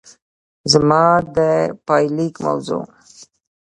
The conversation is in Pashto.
زما د پايليک موضوع